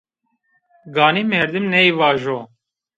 Ganî merdim ney vajo